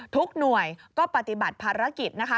ทุกหน่วยก็ปฏิบัติภารกิจนะคะ